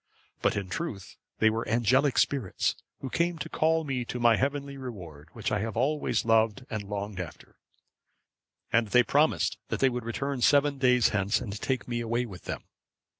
But in truth they were angelic spirits, who came to call me to my heavenly reward, which I have always loved and longed after, and they promised that they would return seven days hence, and take me away with them."